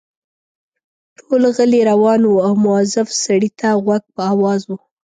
ټول غلي روان وو او مؤظف سړي ته غوږ په آواز وو.